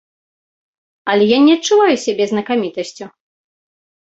Але я не адчуваю сябе знакамітасцю.